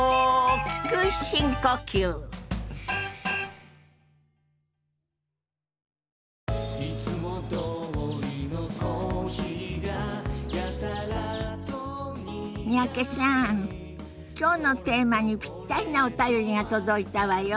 きょうのテーマにぴったりなお便りが届いたわよ。